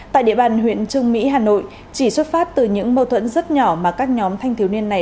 tại địa bàn huyện trương mỹ hà nội chỉ xuất phát từ những mâu thuẫn rất nhỏ mà các nhóm thanh thiếu niên này